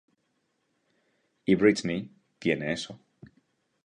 Y Britney tiene eso".